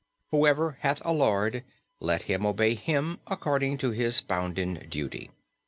Whoever hath a lord let him obey him according to his bounden duty.